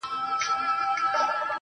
دا یو الوتونکی نظر هم دې غنیمت دی